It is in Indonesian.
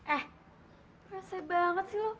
eh patah banget sih lo